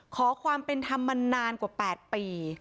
ขอความเป็นธรรมมานานกว่า๘ปี